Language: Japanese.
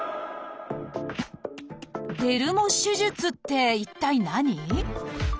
「デルモ手術」って一体何？